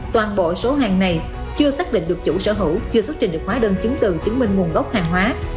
toàn bộ số hàng này chưa xác định được chủ sở hữu chưa xuất trình được hóa đơn chứng từ chứng minh nguồn gốc hàng hóa